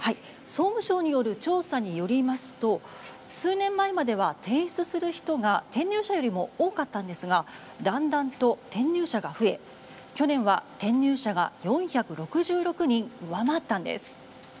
総務省の調査によりますと数年前までは転出する人が転入者よりも多かったんですがだんだんと転入者が増え、去年は転入者が４６６人上回ったんです。